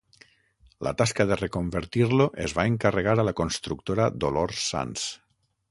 La tasca de reconvertir-lo es va encarregar a la constructora Dolors Sans.